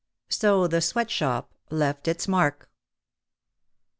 So the sweatshop left its mark.